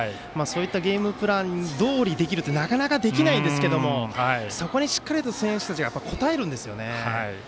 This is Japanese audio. そういったゲームプランどおりできるってなかなかできないですけどもそこにしっかりと選手たちが応えるんですよね。